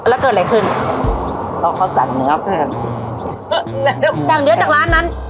แล้วเกิดอะไรขึ้นก็เขาสั่งเนื้อเพิ่มสั่งเนื้อจากร้านนั้น